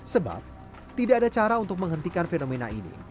sebab tidak ada cara untuk menghentikan fenomena ini